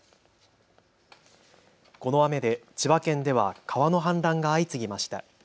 この雨で千葉県では川の氾濫が相次ぎました。